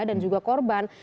dan juga korban